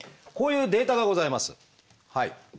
こういうデータがございます。